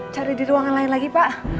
cari di ruangan lain lagi pak